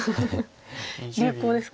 流行ですか？